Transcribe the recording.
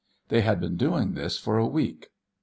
They had been doing this for a week.